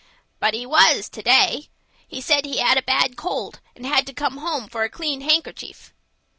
"But he was to day. He said he had got a bad cold, and had to come home for a clean handkerchief."